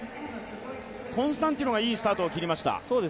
コンスタンティノがいいスタートを切りました。